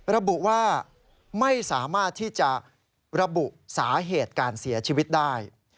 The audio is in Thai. ระบุว่าไม่สามารถที่จะระบุสาเหตุการเสียชีวิตได้